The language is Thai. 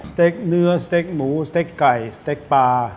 เต็กเนื้อสเต็กหมูสเต็กไก่สเต็กปลา